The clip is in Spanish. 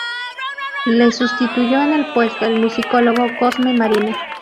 Le sustituyó en el puesto el musicólogo, Cosme Marina.